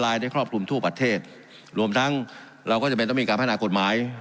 และสร้างคลอบคลุมทั่วประเทศรวมทั้งเราก็จะไม่ต้องมีการแผ่นหากลดหมาย